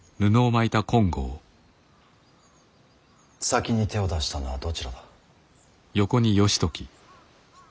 先に手を出したのはどちらだ。